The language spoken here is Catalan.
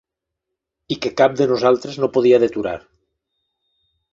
...i que cap de nosaltres no podia deturar